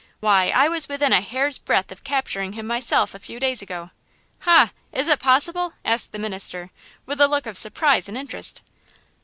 Why, I was within a hair's breadth of capturing him myself a few days ago." "Ha! is it possible?" asked the minister, with a look of surprise and interest.